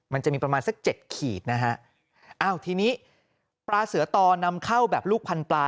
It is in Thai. มันจะมีประมาณสักเจ็ดขีดนะฮะอ้าวทีนี้ปลาเสือต่อนำเข้าแบบลูกพันปลา